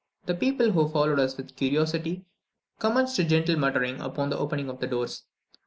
The people who followed us with curiosity commenced a gentle muttering upon the opening of the doors.